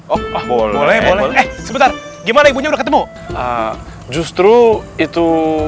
oh boleh boleh sebentar gimana ibunya ketemu justru itu